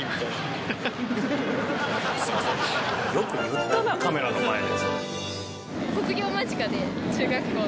よく言ったなカメラの前でそれ。